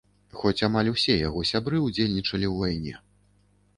Хоць амаль усе яго сябры ўдзельнічалі ў вайне.